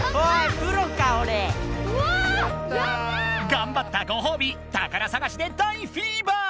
がんばったごほうび宝さがしで大フィーバー！